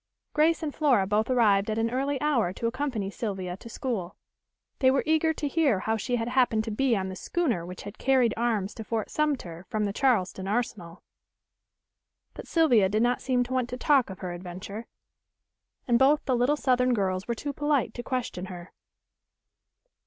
Grace and Flora both arrived at an early hour to accompany Sylvia to school. They were eager to hear how she had happened to be on the schooner which had carried arms to Fort Sumter from the Charleston Arsenal. But Sylvia did not seem to want to talk of her adventure, and both the little southern girls were too polite to question her.